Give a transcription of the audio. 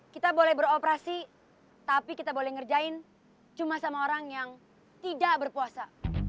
kita boleh beroperasi tapi kita boleh ngerjain cuma sama orang yang tidak berpuasa